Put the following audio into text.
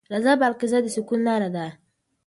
رضا بالقضا د سکون لاره ده.